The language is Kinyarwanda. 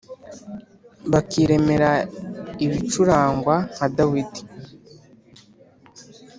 Bakiremera ibicurangwa nka dawidi